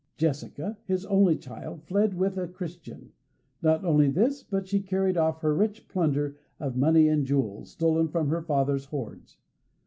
Jessica, his only child, fled with a Christian. Not only this, but she carried off with her rich plunder of money and jewels, stolen from her father's hoards.